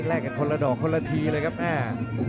กันคนละดอกคนละทีเลยครับแม่